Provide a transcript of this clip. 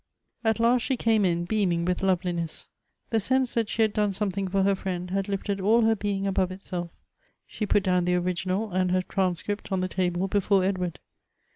At last she i ame in beaming with loveliness: the sense that she had done something for her friend had lifted all her being above itself. She put down the original and her transcript on the table before Edward.